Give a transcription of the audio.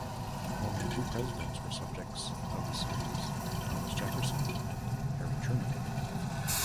Only two presidents were subjects of the series: Thomas Jefferson and Harry Truman.